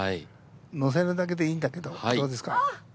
乗せるだけでいいんだけどどうですか？